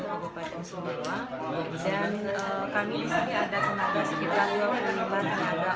pembangunan kpu sumbawa